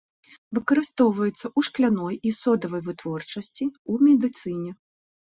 Выкарыстоўваецца ў шкляной і содавай вытворчасці, у медыцыне.